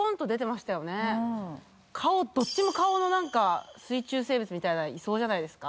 どっちも顔の水中生物みたいないそうじゃないですか？